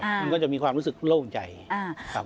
มันก็จะมีความรู้สึกโล่งใจครับ